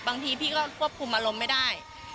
บางทีพี่ก็ควบคุมอารมณ์ไม่ได้